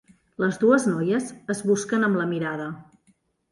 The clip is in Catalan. Les dues noies es busquen amb la mirada.